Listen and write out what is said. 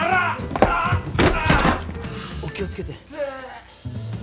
お気をつけて。